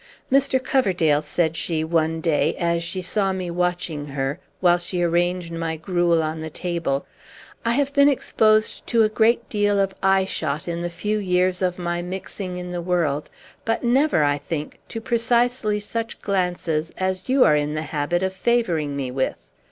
"Mr. Coverdale," said she one day, as she saw me watching her, while she arranged my gruel on the table, "I have been exposed to a great deal of eye shot in the few years of my mixing in the world, but never, I think, to precisely such glances as you are in the habit of favoring me with.